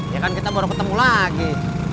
ya kan kita baru ketemu lagi